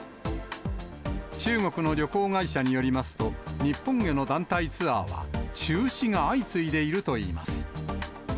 中国の旅行会社によりますと、日本への団体ツアーは中止が相次いでいるといいます。